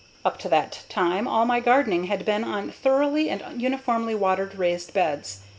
Up to that time, all my gardening had been on thoroughly and uniformly watered raised beds.